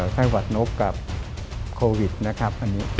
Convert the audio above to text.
ไข้หวัดนบกับโควิดนะครับ